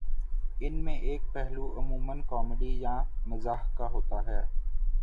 ان میں ایک پہلو عمومًا کامیڈی یا مزاح کا ہوتا ہے